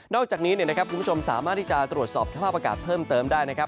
อกจากนี้นะครับคุณผู้ชมสามารถที่จะตรวจสอบสภาพอากาศเพิ่มเติมได้นะครับ